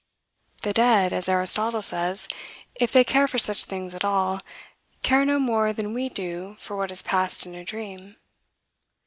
The dead, as Aristotle says, if they care for such things at all, care no more than we do for what has passed in a dream.